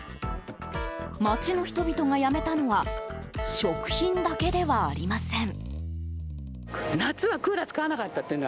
街の人々がやめたのは食品だけではありません。